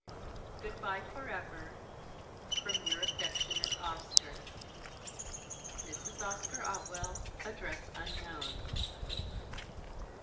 "Good bye, for ever! From your affectionate "OSCAR. "Mrs. Oscar Otwell (Address unknown)."